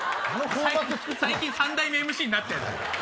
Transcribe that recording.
最近３代目ＭＣになったやつだ